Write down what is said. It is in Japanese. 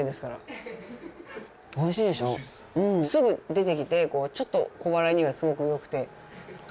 すぐ出てきてちょっと小腹にすごくよくて。